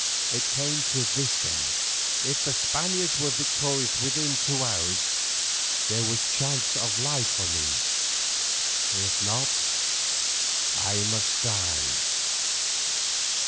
It came to this then, if the Spaniards were victorious within two hours, there was a chance of life for me, if not I must die.